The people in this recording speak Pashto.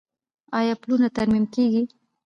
آیا پلونه ترمیم کیږي؟